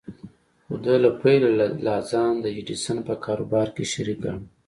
خو ده له پيله لا ځان د ايډېسن په کاروبار کې شريک ګاڼه.